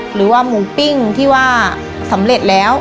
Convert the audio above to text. หรือว่าหมูปิ้งที่ว่าสำเร็จแล้ว